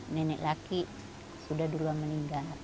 nenek laki sudah duluan meninggal